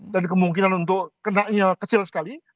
dan kemungkinan untuk kenaknya kecil sekali